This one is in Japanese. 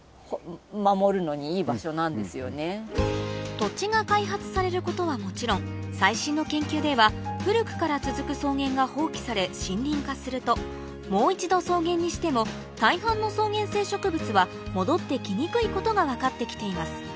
土地が開発されることはもちろん最新の研究では古くから続く草原が放棄され森林化するともう一度草原にしても大半の草原性植物は戻ってきにくいことが分かってきています